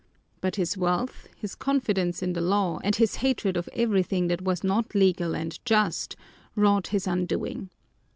But his wealth, his confidence in the law, and his hatred of everything that was not legal and just, wrought his undoing.